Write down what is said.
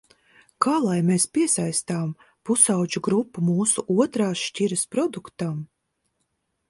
Kā lai mēs piesaistām pusaudžu grupu mūsu otrās šķiras produktam?